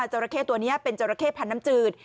จราเข้ตัวนี้เป็นจราเข้พันธุน้ำจืด